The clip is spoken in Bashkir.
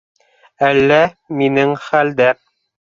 Әллә... минең хәлдә...